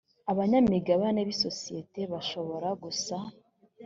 abanyamigabane b isosiyete bashobora gusa